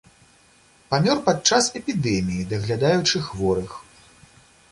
Памёр пад час эпідэміі, даглядаючы хворых.